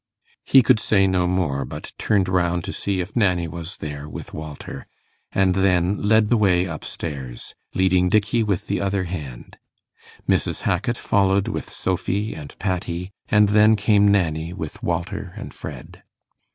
He could say no more, but turned round to see if Nanny was there with Walter, and then led the way up stairs, leading Dickey with the other hand. Mrs. Hackit followed with Sophy and Patty, and then came Nanny with Walter and Fred.